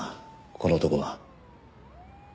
この男は。